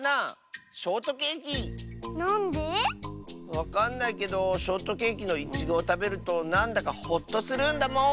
わかんないけどショートケーキのイチゴをたべるとなんだかほっとするんだもん！